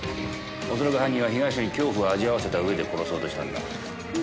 恐らく犯人は被害者に恐怖を味わわせた上で殺そうとしたんだ。